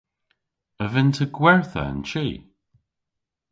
A vynn'ta gwertha an chi?